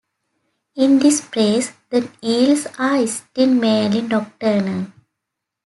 In this phase, the eels are still mainly nocturnal.